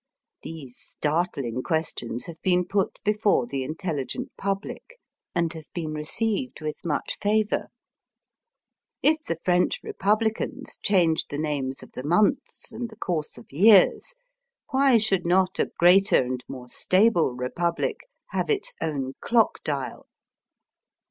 These startling questions have been put before the intelligent public, and have been received with much favour. If the French Eepublicans changed the names of the months and the course of years, why should not a greater and more stable Eepublic have its own clock dial ?